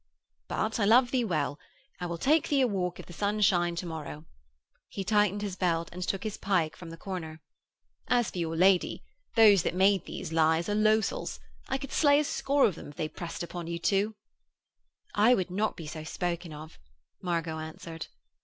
But I love thee well. I will take thee a walk if the sun shine to morrow.' He tightened his belt and took his pike from the corner. 'As for your lady; those that made these lies are lowsels. I could slay a score of them if they pressed upon you two.' 'I would not be so spoken of,' Margot answered.